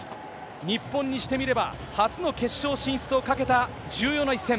日本にしてみれば、初の決勝進出をかけた重要な一戦。